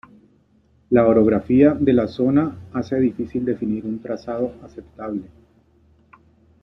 La orografía de la zona hace difícil definir un trazado aceptable.